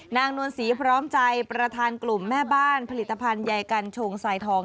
นวลศรีพร้อมใจประธานกลุ่มแม่บ้านผลิตภัณฑ์ใยกันชงสายทอง